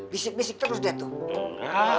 bisik bisik terus dia tuh